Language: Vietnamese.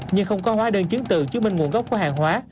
nhưng không có hóa đơn chứng từ chứng minh nguồn gốc của hàng hóa